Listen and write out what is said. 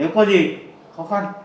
và nếu có gì khó khăn